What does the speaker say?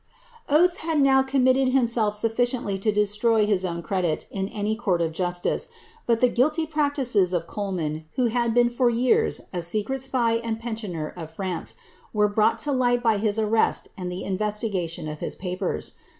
''^| Oates had now committed himself sufficiently to destroy his owo j. credit in any court of justice; but the guilty practices of Coleman, who had been fur years a secret spy and pensioner of France, were brouflit to li^lit by his arrest and the investigation of his papers.